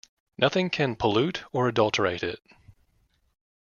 Nothing can pollute or adulterate it.